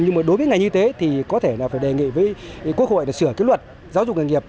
nhưng mà đối với ngành y tế thì có thể là phải đề nghị với quốc hội là sửa cái luật giáo dục nghề nghiệp